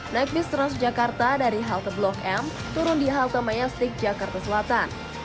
naik bus transjakarta dari halte blok m turun di halte mayastrik jakarta selatan